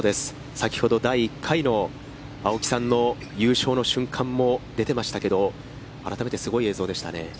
先ほど、第１回の青木さんの優勝の瞬間も出てましたけど、改めてすごい映像でしたね。